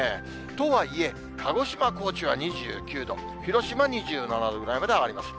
とはいえ、鹿児島、高知は２９度、広島２７度ぐらいまで上がります。